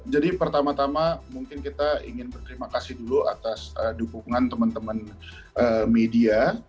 jadi pertama tama mungkin kita ingin berterima kasih dulu atas dukungan teman teman media